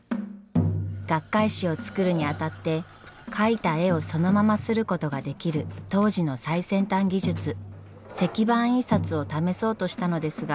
学会誌を作るにあたって描いた絵をそのまま刷ることができる当時の最先端技術石版印刷を試そうとしたのですが。